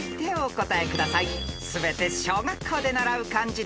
［全て小学校で習う漢字です］